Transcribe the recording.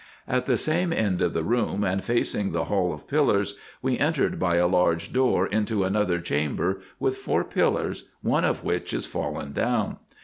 At the same end of the room, and facing the Hall of Pillar; , we entered by a large door into another chamber with four pillars, one of which is fallen down.